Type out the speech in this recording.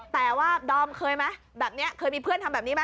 แต่ว่าดอมเคยมั้ยเหมือนนี้เคยมีเพื่อนทำแบบนี้มั้ย